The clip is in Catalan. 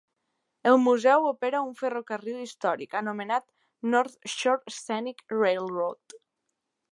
El museu opera un ferrocarril històric anomenat North Shore Scenic Railroad.